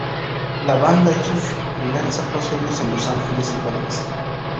La banda hizo sus primeras actuaciones en Los Angeles y París.